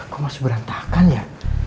kok masih berantakan ya